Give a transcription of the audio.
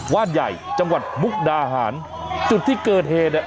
ว่านใหญ่จังหวัดมุกดาหารจุดที่เกิดเหตุเนี่ย